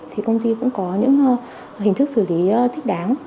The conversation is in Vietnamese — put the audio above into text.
thì công ty cũng có những hình thức xử lý thích đáng